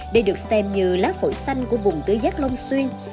đây được xem như lá phổi xanh của vùng tứ giác long xuyên